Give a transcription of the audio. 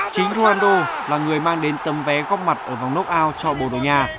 chính ronaldo là người mang đến tấm vé góc mặt ở vòng knockout cho bồ đồ nhà